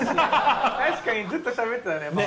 確かにずっとしゃべってたね。